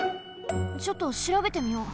ちょっとしらべてみよう。